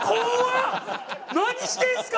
何してるんですか？